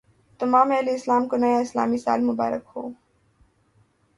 تمام اہل اسلام کو نیا اسلامی سال مبارک ہو